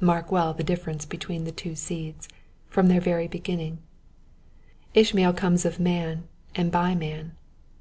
Mark well the difference between the two seeds, from their very beginning. Ishmael comes of man, and by man.